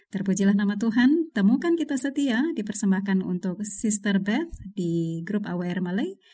terpujilah nama tuhan temukan kita setia dipersembahkan untuk sister beth di grup awr malay